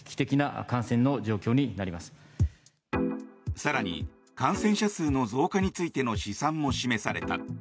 更に、感染者数の増加についての試算も示された。